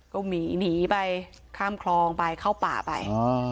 ก็หนีหนีไปข้ามคลองไปเข้าป่าไป